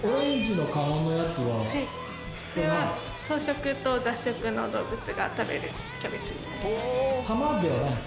これは草食と雑食の動物が食べるキャベツです。